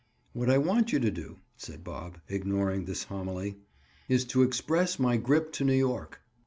"What I want you to do," said Bob, ignoring this homily, "is to express my grip to New York.